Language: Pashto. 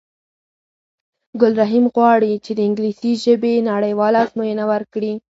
ګل رحیم غواړی چې د انګلیسی ژبی نړېواله آزموینه ورکړی